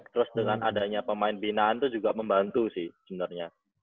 terus dengan adanya pemain binaan tuh juga membantu sih sebenernya